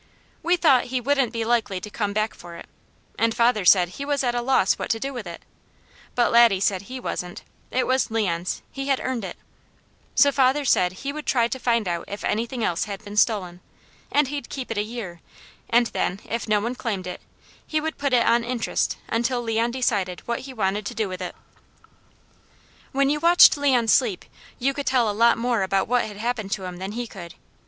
We thought he wouldn't be likely to come back for it, and father said he was at loss what to do with it, but Laddie said he wasn't it was Leon's he had earned it; so father said he would try to find out if anything else had been stolen, and he'd keep it a year, and then if no one claimed it, he would put it on interest until Leon decided what he wanted to do with it. When you watched Leon sleep you could tell a lot more about what had happened to him than he could.